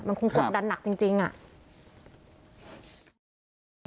มันคงกดดันหนักจริงอ่ะ